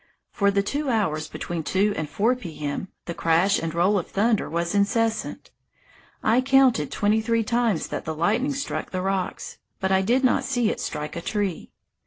For the two hours between 2 and 4 P. M. the crash and roll of thunder was incessant. I counted twenty three times that the lightning struck the rocks, but I did not see it strike a tree.